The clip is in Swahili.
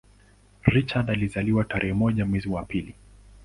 Richard alizaliwa tarehe moja mwezi wa pili